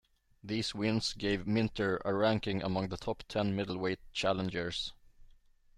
These wins gave Minter a ranking among the top ten Middleweight challengers.